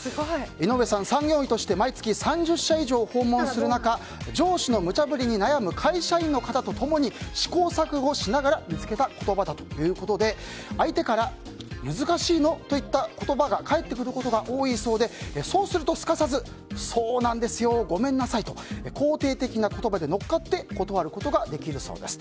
井上さん、産業医として毎月３０社以上訪問する中上司のむちゃ振りに悩む会社員の方共に試行錯誤しながら見つけた言葉だということで相手から、難しいの？といった言葉が返ってくることが多いそうでそうするとすかさずそうなんですよ、ごめんなさいと肯定的な言葉で乗っかって断ることができるそうです。